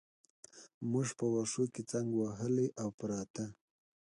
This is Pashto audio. موږ په وښو کې څنګ وهلي او پراته.